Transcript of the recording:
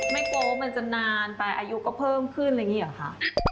กลัวว่ามันจะนานไปอายุก็เพิ่มขึ้นอะไรอย่างนี้หรอคะ